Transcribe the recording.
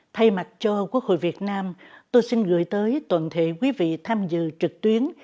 thay mặt cho quốc hội việt nam tôi xin gửi tới toàn thể quý vị tham dự trực tuyến